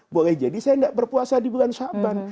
boleh jadi saya tidak berpuasa di bulan syaban